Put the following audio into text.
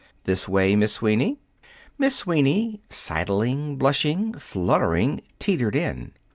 This way, Miss Sweeney." Miss Sweeney, sidling, blushing, fluttering, teetered in.